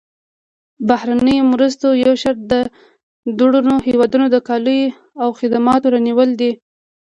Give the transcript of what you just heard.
د بهرنیو مرستو یو شرط د ډونر هېوادونو د کالیو او خدماتو رانیول دي.